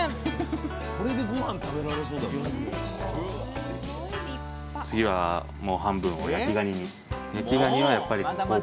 これでごはん食べられそうだ。